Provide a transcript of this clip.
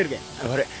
悪い。